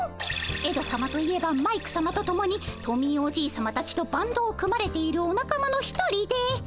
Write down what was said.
エドさまと言えばマイクさまとともにトミーおじいさまたちとバンドを組まれているお仲間の一人で。